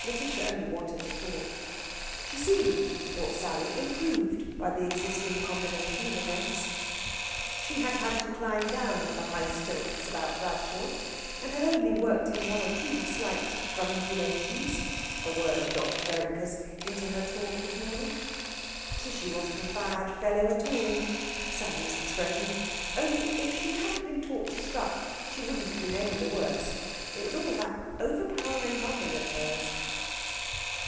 Lætitia only wanted to talk. She seemed, thought Sally, improved by the existing combination of events. She had had to climb down off the high stilts about Bradshaw, and had only worked in one or two slight Grundulations (a word of Dr. Vereker's) into her talk this morning. Tishy wasn't a bad fellow at all (Sally's expression), only, if she hadn't been taught to strut, she wouldn't have been any the worse. It was all that overpowering mother of hers!